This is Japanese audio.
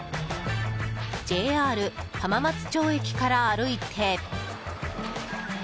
ＪＲ浜松町駅から歩いて。